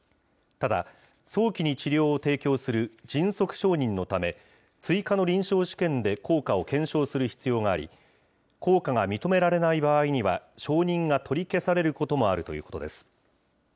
ただ、早期に治療を提供する迅速承認のため、追加の臨床試験で効果を検証する必要があり、効果が認められない場合には、承認が取り消されることもあるということです。